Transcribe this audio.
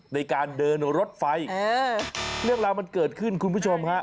ในการเดินรถไฟเรื่องราวมันเกิดขึ้นคุณผู้ชมฮะ